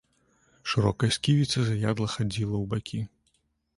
Шырокая сківіца заядла хадзіла ў бакі.